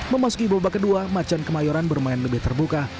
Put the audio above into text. memasuki babak kedua macan kemayoran bermain lebih terbuka